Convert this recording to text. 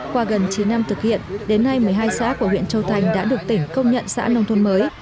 qua gần chín năm thực hiện đến nay một mươi hai xã của huyện châu thành đã được tỉnh công nhận xã nông thôn mới